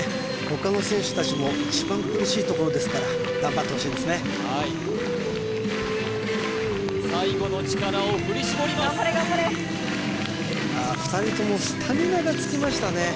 他の選手たちも一番苦しいところですから頑張ってほしいですねはい最後の力を振り絞りますああ２人ともスタミナがつきましたね